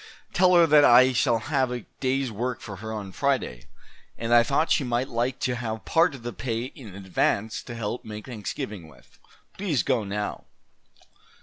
Tell her that I shall have a day's work for her on Friday, and I thought she might like to have part of the pay in advance to help make Thanksgiving with. Please go now."